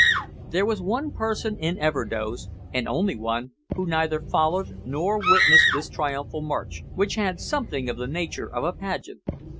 There was one person in Everdoze, and only one, who neither followed nor witnessed this triumphal march, which had something of the nature of a pageant.